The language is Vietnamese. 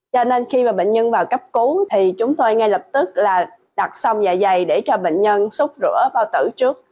cho nên khi mà bệnh nhân vào cấp cứu thì chúng tôi ngay lập tức là đặt xong vài giày để cho bệnh nhân xúc rửa bao tử trước